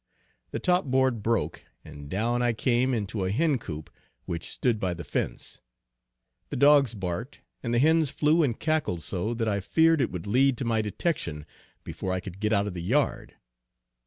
The top board broke and down I came into a hen coop which stood by the fence. The dogs barked, and the hens flew and cackled so, that I feared it would lead to my detection before I could get out of the yard.